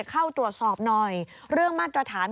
เข้าตรวจสอบหน่อยเรื่องมาตรฐาน